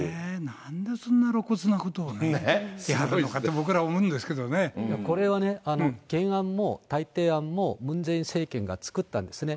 なんでそんな露骨なことをね、やるのかと、僕ら思うんですけどこれはね、原案も代替案もムン・ジェイン政権が作ったんですね。